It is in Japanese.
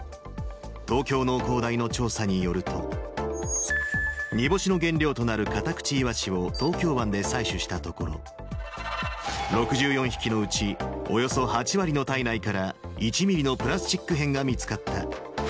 東京農工大の調査によると、煮干しの原料となるカタクチイワシを東京湾で採取したところ、６４匹のうちおよそ８割の体内から、１ミリのプラスチック片が見つかった。